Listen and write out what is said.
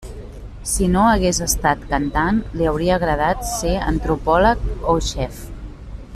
Si no hagués estat cantant, li hauria agradat ser antropòleg o xef.